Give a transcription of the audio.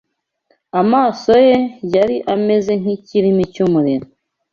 Amaso ye yari ameze nk’ikirimi cy’umuriro